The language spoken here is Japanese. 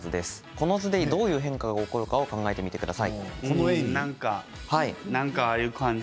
この絵でどういう変化が起こるか考えてみましょう。